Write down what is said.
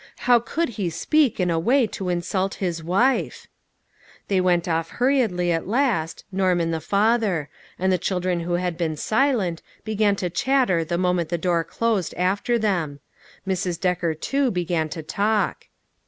How could he speak in a way to insult his wife ! They went off hurriedly at last, Norm and the father ; and the children who had been silent, began to chatter the moment the door closed after them. Mrs. Decker, too, began to talk.